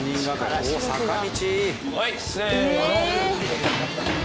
おお坂道。